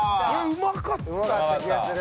うまかった気がする。